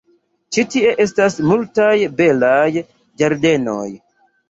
Ĉi tie estas multaj belaj ĝardenoj.